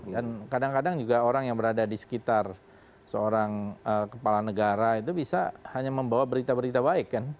dan kadang kadang juga orang yang berada di sekitar seorang kepala negara itu bisa hanya membawa berita berita baik kan